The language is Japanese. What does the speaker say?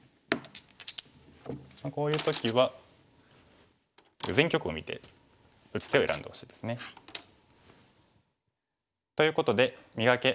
こういう時は全局を見て打つ手を選んでほしいですね。ということで「磨け！